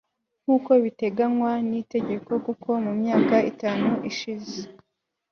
nk'uko biteganywa n'itegeko kuko mu myaka itanu ishize